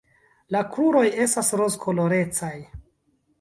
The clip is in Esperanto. La kruroj estas rozkolorecaj.